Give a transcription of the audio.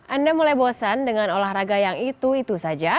anda mulai bosan dengan olahraga yang itu itu saja